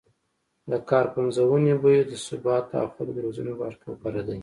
د کار پنځونې، بیو د ثبات او خلکو روزنې په برخه کې غوره دی